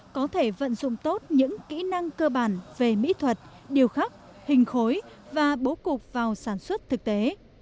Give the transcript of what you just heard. dẫn dụng tốt những kỹ năng cơ bản về mỹ thuật điều khắc hình khối và bố cục vào sản xuất thực tế